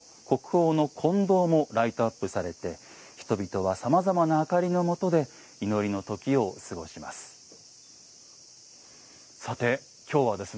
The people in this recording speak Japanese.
五重塔や奥に見える建物国宝の金堂もライトアップされて人々はさまざまな明かりのもとで祈りの時を過ごします。